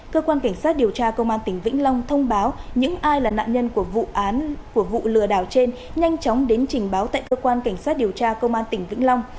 cơ quan cảnh sát điều tra công an tỉnh vĩnh long thông báo những ai là nạn nhân của vụ án của vụ lừa đảo trên nhanh chóng đến trình báo tại cơ quan cảnh sát điều tra công an tỉnh vĩnh long